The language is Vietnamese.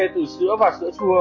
từ sữa và sữa chua